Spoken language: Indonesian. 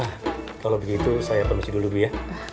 nah kalau begitu saya permisi dulu ya